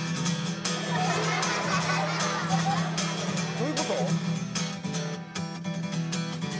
どういうこと？